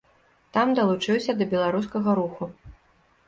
Там далучыўся да беларускага руху.